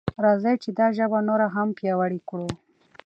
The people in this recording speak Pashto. راځئ چې دا ژبه نوره هم پیاوړې کړو.